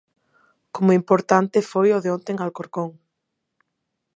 Como importante foi o de onte en Alcorcón.